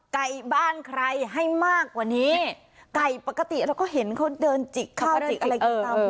ไก่บ้านใครให้มากกว่านี้ไก่ปกติเราก็เห็นเขาเดินจิกข้าวจิกอะไรกันตาม